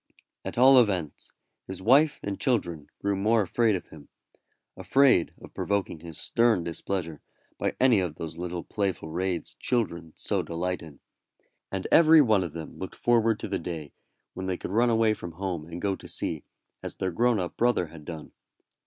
At all events, his wife and children grew more afraid of him afraid of provoking his stern displeasure by any of those little playful raids children so delight in; and every one of them looked forward to the day when they could run away from home and go to sea, as their grown up brother had done.